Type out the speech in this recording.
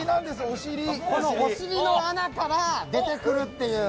お尻の穴から出てくるっていう。